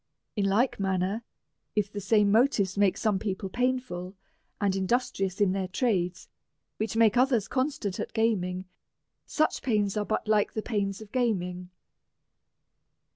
In like manner, if the same motives make some people painful and industrious in their trades, which makes others constant at gaming, such pains are but like the pains of gaming.